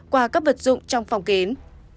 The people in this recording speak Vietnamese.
qua các vật dụng trong phòng kín